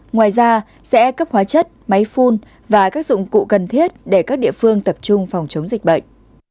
ngoài ra sẽ cấp hóa chất máy phun và các dụng cụ cần thiết để các địa phương tập trung phòng chống dịch bệnh